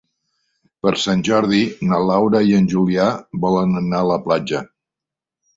Per Sant Jordi na Laura i en Julià volen anar a la platja.